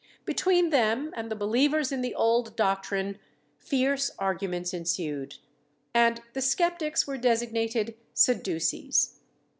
Between them and the believers in the old doctrine fierce arguments ensued, and the sceptics were designated Sadducees.